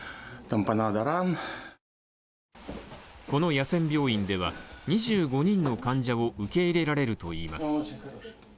この野戦病院では２５人の患者を受け入れられるといいます。